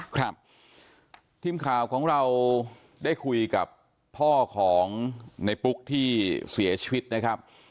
ครับทีมข่าวของเราได้คุยกับพ่อของในปุ๊กที่เสียชีวิตนะครับ